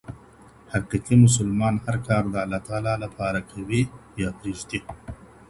حقيقي مسلمان هر کار د الله تعالی لپاره کوي يا پريږدي.